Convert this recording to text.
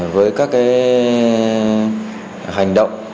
với các hành động